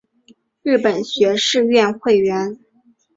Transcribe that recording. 日本学士院会员。